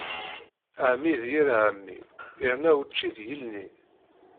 Ɛemmi d yir ɛemmi, irna učči n yilni.